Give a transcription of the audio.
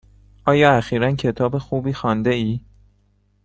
آیا اخیرا کتاب خوبی خوانده ای؟